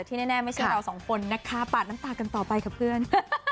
แน่ไม่ใช่เราสองคนนะคะปาดน้ำตากันต่อไปกับเพื่อน